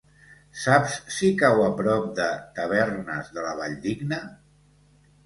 Saps si cau a prop de Tavernes de la Valldigna?